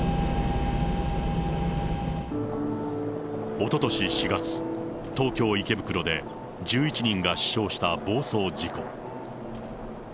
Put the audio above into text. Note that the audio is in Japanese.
おととし４月、東京・池袋で１１人が死傷した暴走事故。